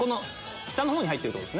下のほうに入ってる？